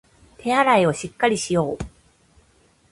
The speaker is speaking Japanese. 手洗いをしっかりしよう